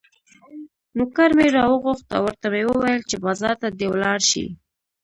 نوکر مې راوغوښت او ورته مې وویل چې بازار ته دې ولاړ شي.